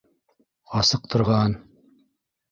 Асыҡтырған.